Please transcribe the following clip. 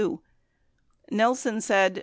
Nelson said,